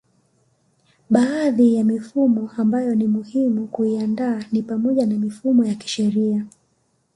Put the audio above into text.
Baadhi ya mifumo ambayo ni muhimu kuiandaa ni pamoja na mifumo ya kisheria